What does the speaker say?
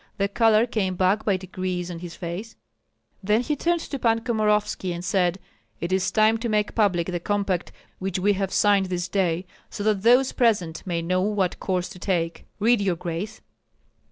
The color came back by degrees to his face; then he turned to Pan Komorovski, and said, "It is time to make public the compact which we have signed this day, so that those present may know what course to take. Read, your grace!"